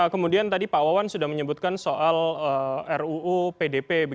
kemudian tadi pak wawan sudah menyebutkan soal ruu pdp